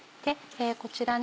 こちら